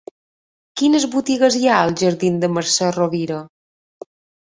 Quines botigues hi ha als jardins de Mercè Rovira?